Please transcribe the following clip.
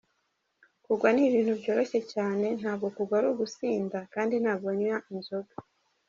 Kugwa ni ibintu byoroshye cyane, ntabwo kugwa ari ugusinda kandi ntabwo nywa inzoga.